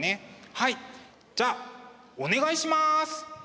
はいじゃあお願いします。